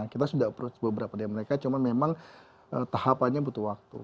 kita sudah approach beberapa dari mereka cuma memang tahapannya butuh waktu